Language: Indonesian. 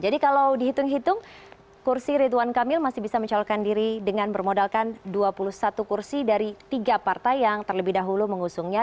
jadi kalau dihitung hitung kursi rituan kamil masih bisa mencalurkan diri dengan bermodalkan dua puluh satu kursi dari tiga partai yang terlebih dahulu mengusungnya